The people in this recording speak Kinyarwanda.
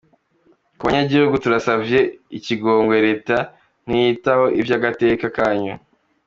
"Ku banyagihugu turasavye ikigongwe reta ntiyitaho ivy'agateka kanyu.